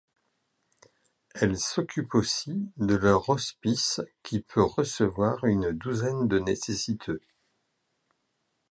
Elles s'occupent aussi de leur hospice qui peut recevoir une douzaine de nécessiteux.